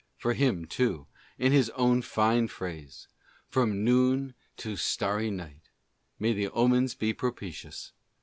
For him, too, in his own fine phrase, "from noon to starry night," may the omens be pro pitious!